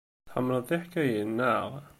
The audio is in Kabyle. Tḥemmleḍ tiḥkayin, naɣ?